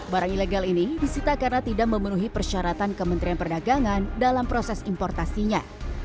barang ilegal ini disita karena tidak memenuhi persyaratan kementerian perdagangan dalam proses importasinya